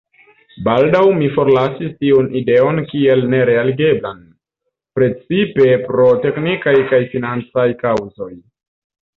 Baldaŭ mi forlasis tiun ideon kiel nerealigeblan, precipe pro teknikaj kaj financaj kaŭzoj.